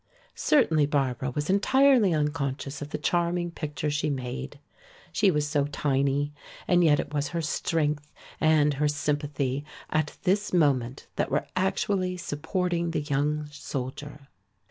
Certainly Barbara was entirely unconscious of the charming picture she made. She was so tiny, and yet it was her strength and her sympathy at this moment that were actually supporting the young soldier.